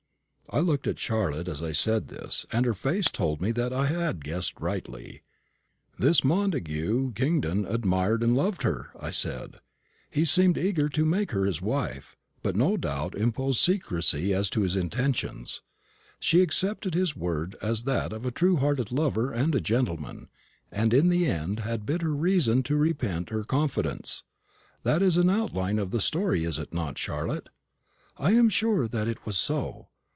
I looked at Charlotte as I said this, and her face told me that I had guessed rightly. "This Montagu Kingdon admired and loved her," I said. "He seemed eager to make her his wife, but no doubt imposed secrecy as to his intentions. She accepted his word as that of a true hearted lover and a gentleman, and in the end had bitter reason to repent her confidence. That is an outline of the story, is it not, Charlotte?" "I am sure that it was so.